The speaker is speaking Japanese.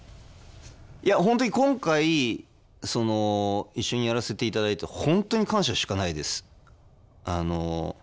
いや本当に今回一緒にやらせていただいて本当に感謝しかないです。